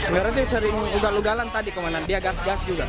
ngeri ngeri sering ugal ugalan tadi ke mana dia gas gas juga